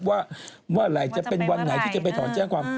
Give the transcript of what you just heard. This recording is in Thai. ว่าเมื่อไหร่จะเป็นวันไหนที่จะไปถอนแจ้งความ